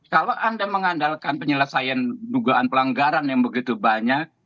kalau anda mengandalkan penyelesaian dugaan pelanggaran yang begitu banyak